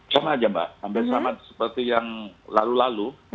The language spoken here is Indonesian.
sama saja mbak sampai sama seperti yang lalu lalu